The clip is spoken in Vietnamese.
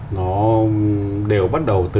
nó đều bắt đầu từ